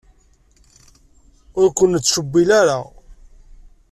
Ur ken-nettcewwil ara.